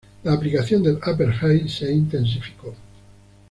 La aplicación del apartheid se intensificó.